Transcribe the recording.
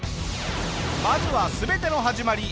まずは全ての始まり